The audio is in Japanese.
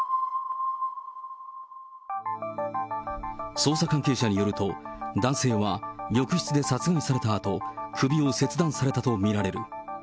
捜査関係者によると、男性は浴室で殺害されたあと、首を切断されたとみられる。